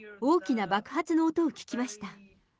大きな爆発の音を聞きました。